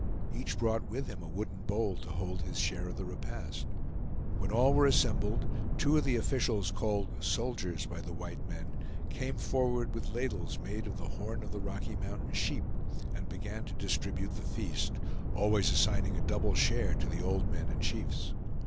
Each brought with him a wooden bowl to hold his share of the repast. When all were assembled, two of the officials called "soldiers" by the white men, came forward with ladles made of the horn of the Rocky Mountain sheep, and began to distribute the feast, always assigning a double share to the old men and chiefs.